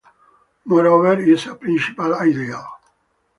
Moreover, is a principal ideal.